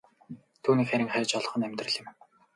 Түүнийг харин хайж олох нь амьдрал юм.